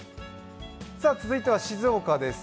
続いては静岡です。